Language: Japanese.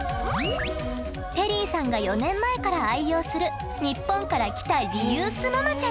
ペリーさんが４年前から愛用するニッポンから来たリユースママチャリ。